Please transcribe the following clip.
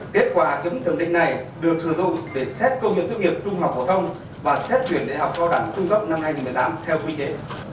kết quả chấm thẩm định này được sử dụng để xét công nhận tốt nghiệp trung học phổ thông và xét tuyển đại học cao đẳng trung cấp năm hai nghìn một mươi năm theo quy chế